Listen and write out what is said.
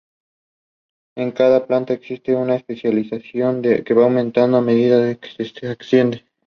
En cada planta existe una especialización que va aumentando a medida que se asciende.